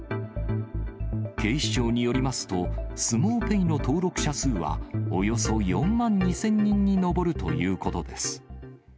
警視庁によりますと、スモウペイの登録者数はおよそ４万２０００人に上るということです。